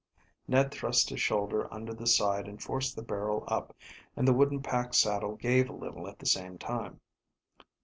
Ned thrust his shoulder under the side and forced the barrel up, and the wooden pack saddle gave a little at the same time.